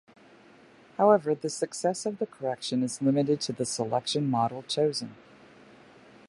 However, the success of the correction is limited to the selection model chosen.